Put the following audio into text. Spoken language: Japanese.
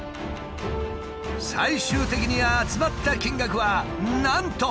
最終的に集まった金額はなんと。